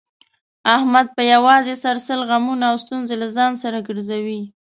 احمد په یووازې سر سل غمونه او ستونزې له ځان سره ګرځوي.